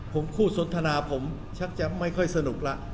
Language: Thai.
ผมคู่สนทนาผมชักจะไม่ค่อยสนุกละ